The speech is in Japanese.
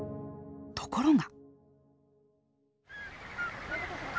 ところが。